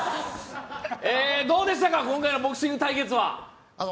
どうでしたか、今回のボクシング対決は？